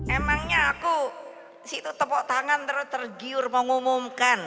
emangnya aku situ tepuk tangan terus tergiur mengumumkan